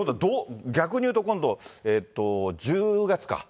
逆に言うと今度、１０月か。